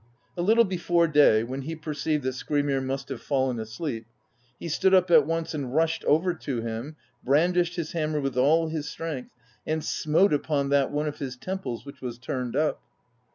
A little before day, when he perceived that Skrymir must have fallen asleep, he stood up at once and rushed over to him, brandished his hammer with all his strength, and smote upon that one of his temples which was turned up.